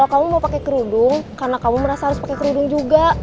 kamu mau pakai kerudung karena kamu merasa harus pakai kerudung juga